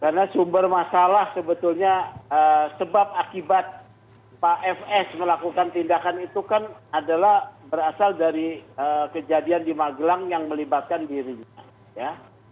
karena sumber masalah sebetulnya sebab akibat pak fs melakukan tindakan itu kan adalah berasal dari kejadian di magelang yang melibatkan dirinya ya